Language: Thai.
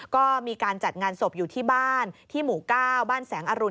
ก็มีการจัดงานศพอยู่ที่บ้านที่หมู่๙บ้านแสงอรุณ